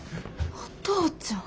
お父ちゃん。